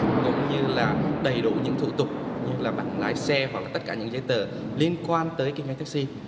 cũng như là đầy đủ những thủ tục như là bằng lái xe hoặc là tất cả những giấy tờ liên quan tới kinh doanh taxi